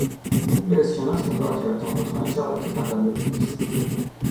خوب به اسکناس نگاه کرد تا مطمئن شود که تقلبی نیست.